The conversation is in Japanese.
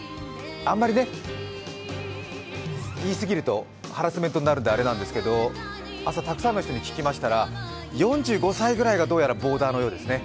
あんまりね、言いすぎるとハラスメントになるのであれなんですけど、朝、たくさんの人に聞きましたら４５歳ぐらいがどうやらボーダーのようですね。